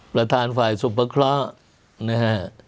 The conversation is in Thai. ประธานฝ่ายสุภเคราะห์นะฮะ